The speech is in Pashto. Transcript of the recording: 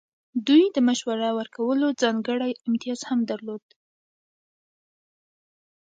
دوی د مشوره ورکولو ځانګړی امتیاز هم درلود.